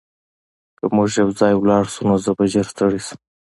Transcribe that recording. که موږ یوځای لاړ شو نو زه به ژر ستړی شم